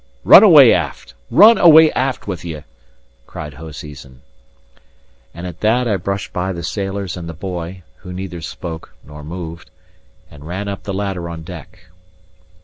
"Run away aft; run away aft with ye!" cried Hoseason. And at that I brushed by the sailors and the boy (who neither spoke nor moved), and ran up the ladder on deck.